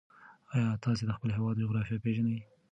ایا تاسې د خپل هېواد جغرافیه پېژنئ؟